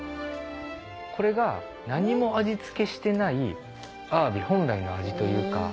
これが何も味付けしてないアワビ本来の味というか。